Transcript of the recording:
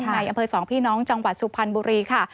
ในอำเภอสองพี่น้องจังหวัดสุพรรณบุรีค่ะ